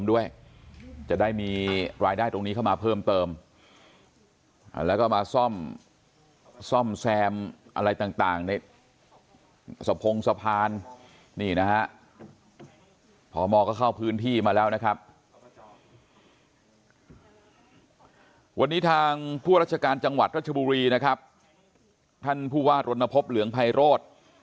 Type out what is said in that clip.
วันนี้ทางผู้ราชการจังหวัดรัชบุรีนะครับท่านผู้ว่ารณพบเหลืองไพโรธ